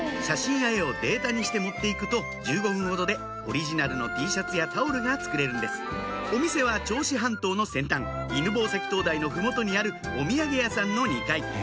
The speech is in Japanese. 写真や絵をデータにして持って行くと１５分ほどでオリジナルのＴシャツやタオルが作れるんですお店は銚子半島の先端犬吠埼灯台の麓にあるお土産屋さんの２階